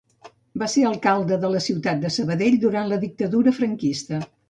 Va ser alcalde de la ciutat de Sabadell durant la dictadura franquista.